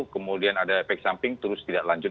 kemudian ada efek samping terus tidak lanjut